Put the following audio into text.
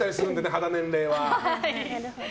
肌年齢は。